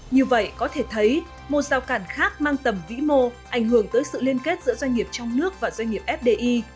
như vậy có thể thấy một rào cản khác mang tầm vĩ mô ảnh hưởng tới sự liên kết giữa doanh nghiệp trong nước và doanh nghiệp fdi